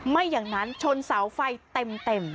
ไม่อย่างนั้นชนเสาไฟเต็ม